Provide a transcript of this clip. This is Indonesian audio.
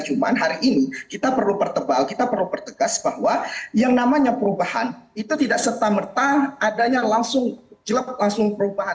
cuma hari ini kita perlu pertebal kita perlu pertegas bahwa yang namanya perubahan itu tidak serta merta adanya langsung jelek langsung perubahan